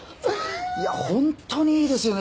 いや本当にいいですよね